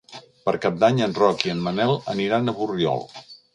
Per Cap d'Any en Roc i en Manel aniran a Borriol.